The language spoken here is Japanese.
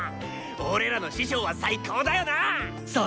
俺らの師匠は最高だよなぁ